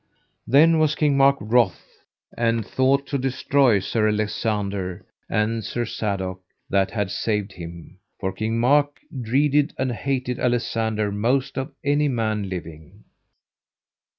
Then was King Mark wroth, and thought to destroy Sir Alisander and Sir Sadok that had saved him; for King Mark dreaded and hated Alisander most of any man living.